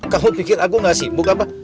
kamu pikir aku gak sibuk apa